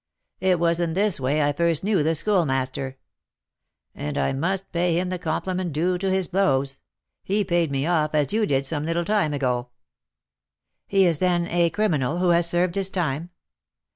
It was in this way I first knew the Schoolmaster; and I must pay him the compliment due to his blows, he paid me off as you did some little time ago." "He is, then, a criminal who has served his time?"